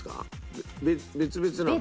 別々なの？